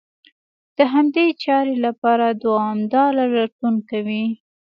د همدې چارې لپاره دوامداره لټون کوي.